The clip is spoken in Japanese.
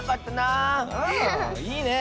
あいいね。